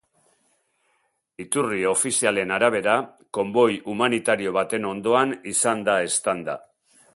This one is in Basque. Iturri ofizialen arabera, konboi humanitario baten ondoan izan da eztanda.